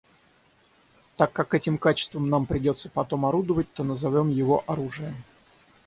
Так как этим качеством нам придется потом орудовать, то назовем его оружие.